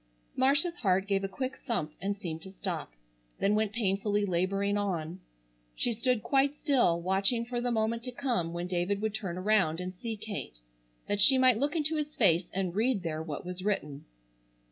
Marcia's heart gave a quick thump and seemed to stop, then went painfully laboring on. She stood quite still watching for the moment to come when David would turn around and see Kate that she might look into his face and read there what was written.